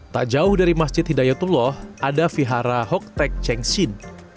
tak jauh dari masjid hidayatullah ada vihara hoktec chengxin